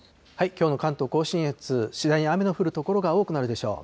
きょうの関東甲信越、次第に雨の降る所が多くなるでしょう。